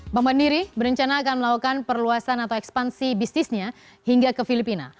bank mandiri berencana akan melakukan perluasan atau ekspansi bisnisnya hingga ke filipina